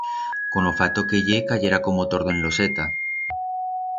Con o fato que ye, cayerá como tordo en loseta.